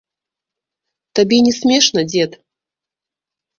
Табе не смешна, дзед?